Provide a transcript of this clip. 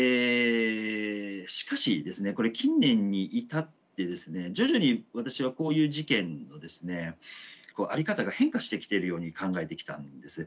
しかしですねこれ近年に至ってですね徐々に私はこういう事件のですね在り方が変化してきているように考えてきたんです。